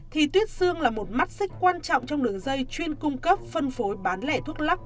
thì tuyết xương là một mắt xích quan trọng trong đường dây chuyên cung cấp phân phối bán lẻ thuốc lắc